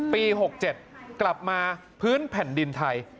ปี๖๗กลับมาพื้นแผ่นดินไทย